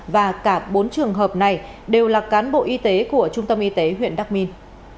và cả bốn trường hợp này đều là cán bộ y tế của trung tâm y tế huyện đắc minh